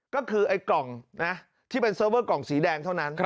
ก็คือไอ้กล่องนะที่เป็นเซิร์ฟเวอร์กล่องสีแดงเท่านั้น